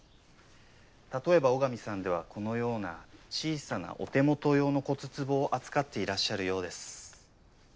例えば尾上さんではこのような小さなお手元用の骨つぼを扱っていらっしゃるようです。